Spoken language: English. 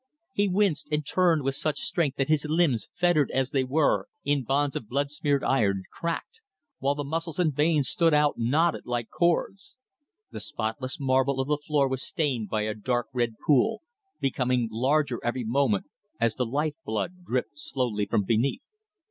He winced and turned with such strength that his limbs, fettered as they were in bonds of blood smeared iron, cracked, while the muscles and veins stood out knotted like cords. The spotless marble of the floor was stained by a dark red pool, becoming larger every moment as the life blood dripped slowly from beneath.